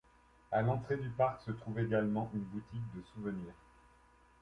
À l'entrée du parc se trouve également une boutique de souvenir.